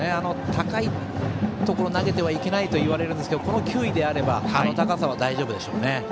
高いところ投げてはいけないといわれますがこの球威であれば高さは大丈夫でしょうね。